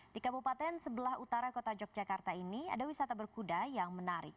di kabupaten sebelah utara kota yogyakarta ini ada wisata berkuda yang menarik